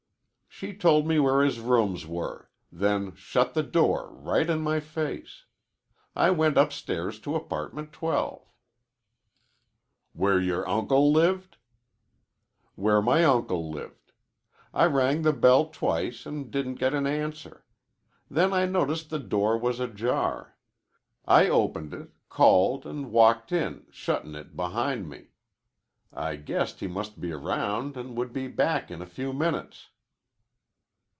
"She told me where his rooms were. Then she shut the door, right in my face. I went upstairs to Apartment 12." "Where your uncle lived?" "Where my uncle lived. I rang the bell twice an' didn't get an answer. Then I noticed the door was ajar. I opened it, called, an' walked in, shuttin' it behind me. I guessed he must be around an' would be back in a few minutes."